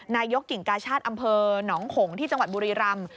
นายกกิ่งกาชาติอำเภอหนองขงที่จังหวัดบุรีรำ